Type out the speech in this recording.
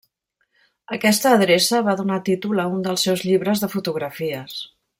Aquesta adreça va donar títol a un dels seus llibres de fotografies.